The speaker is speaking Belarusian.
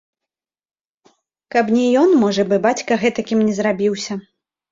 Каб не ён, можа б, і бацька гэтакім не зрабіўся.